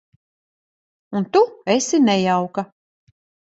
Un tu esi nejauka.